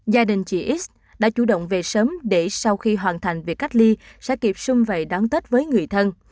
gia đình chị x đã chủ động về sớm để sau khi hoàn thành việc cách ly sẽ kịp xung vầy đón tết với người thân